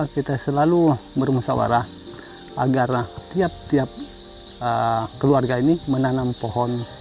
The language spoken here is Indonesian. kita selalu bermusawarah agar tiap tiap keluarga ini menanam pohon